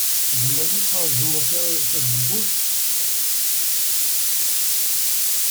Tzemred ad treẓmed tazewwut?